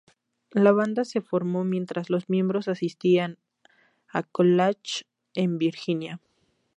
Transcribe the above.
La banda se formó mientras los miembros asistían a "colleges" en Virginia.